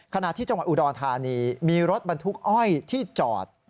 ขณะที่จังหวัดอุดรธานีมีรถบรรทุกอ้อยที่จอด